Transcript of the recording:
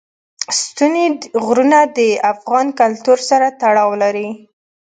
ستوني غرونه د افغان کلتور سره تړاو لري.